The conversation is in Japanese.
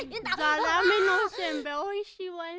ザラメのおせんべいおいしいわよ。